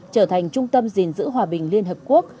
trở thành trung tâm dình dữ hòa bình liên hợp quốc